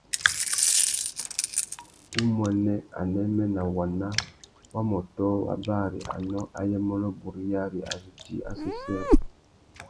Umuênê, anêmê nà waná wa mà ôtō wa bari anô ayê mônô buriyari a zu djï assêssêrê.